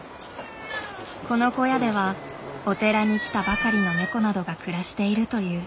この小屋ではお寺に来たばかりのネコなどが暮らしているという。